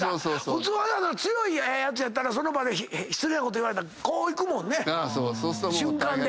普通強いやつやったらその場で失礼なこと言われたらこういくもんね。瞬間で。